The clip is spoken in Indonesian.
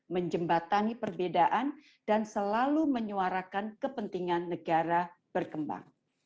menjembatani perbedaan dan selalu menyuarakan kepentingan negara berkembang